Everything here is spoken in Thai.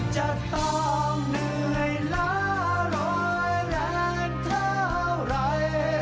จะต้องเหนื่อยละร้อยแรงเท่าไหร่